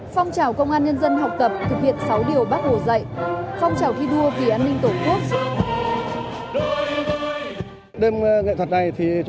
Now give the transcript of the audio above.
phong trào công an nhân dân học tập thực hiện sáu điều bác hồ dạy phong trào thi đua vì an ninh tổ quốc